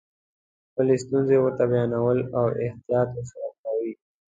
خپلې ستونزې ورته بیانوئ احتیاط ورسره کوئ.